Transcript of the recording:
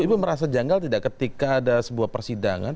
ibu merasa janggal tidak ketika ada sebuah persidangan